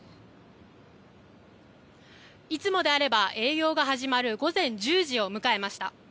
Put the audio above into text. いつもであれば営業が始まる午前１０時を迎えました。